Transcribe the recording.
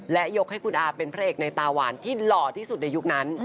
และยกให้คุณอาเป็นพระเอกในตาหวานที่หล่อที่สุดในยุคนั้น